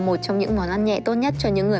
một trong những món ăn nhẹ tốt nhất cho những người